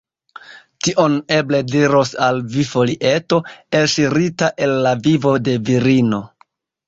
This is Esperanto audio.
Tion eble diros al vi folieto, elŝirita el la vivo de virino.